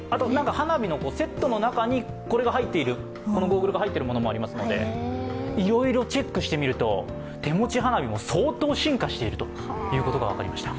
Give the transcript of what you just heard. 花火のセットの中にこのゴーグルが入っているところもありますので、いろいろチェックしてみると手持ち花火も相当進化しているということが分かりました。